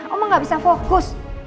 oma gak bisa fokus